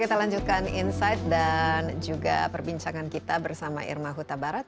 kita lanjutkan insight dan juga perbincangan kita bersama irma huta barat